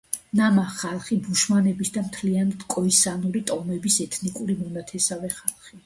ნამა ხალხი ბუშმენების და მთლიანად კოისანური ტომების ეთნიკური მონათესავე ხალხია.